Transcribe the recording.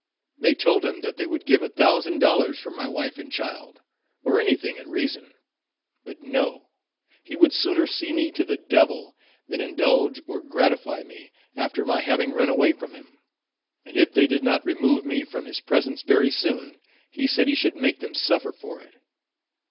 They told him that they would give a thousand dollars for my wife and child, or any thing in reason. But no! he would sooner see me to the devil than indulge or gratify me after my having run away from him; and if they did not remove me from his presence very soon, he said he should make them suffer for it.